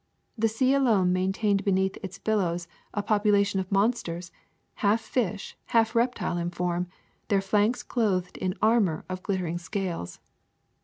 The sea alone maintained beneath its billows a population of monsters, half fish, half reptile in form, their flanks clothed in an armor of glittering scales.